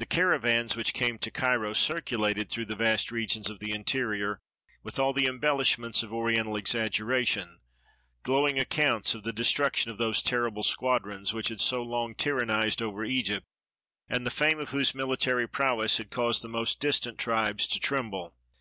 227 EGYPT The caravans which came to Cairo circulated through the vast regions of the interior, with all the embelHsh ments of Oriental exaggeration, glowing accounts of the destruction of those terrible squadrons which had so long tyrannized over Egypt, and the fame of whose military prowess had caused the most distant tribes to tremble.